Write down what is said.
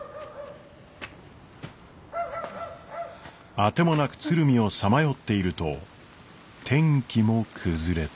当てもなく鶴見をさまよっていると天気も崩れて。